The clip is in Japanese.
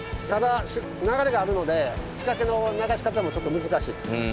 ただ流れがあるので仕掛けの流し方もちょっと難しいです。